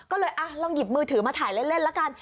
ก็เลยลองหยิบมือถือมาถ่ายเล่นละกัน